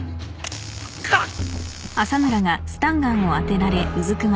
あっ！